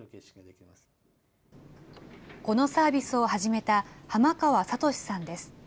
このサービスを始めた濱川智さんです。